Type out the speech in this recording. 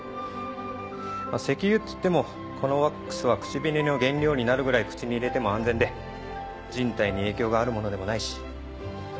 まっ石油っつってもこのワックスは口紅の原料になるぐらい口に入れても安全で人体に影響があるものでもないし。